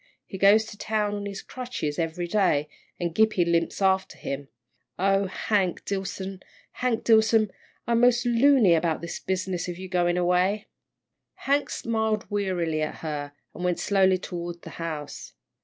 He goes to town on his crutches every day, an' Gippie limps after him oh, Hank Dillson, Hank Dillson, I'm mos' loony about this business of your goin' away." Hank smiled wearily at her, and went slowly toward the house.